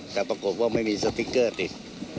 แต่ปรากฏว่าไม่มีสติ๊กเกอร์ติด